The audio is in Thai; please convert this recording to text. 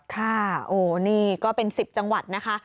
ค่ะโอ้นี่ก็เป็น๑๐จังหวัดนะคะ